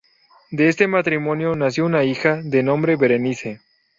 De este matrimonio nació una hija, de nombre Berenice.